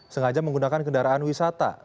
sengaja menggunakan kendaraan wisata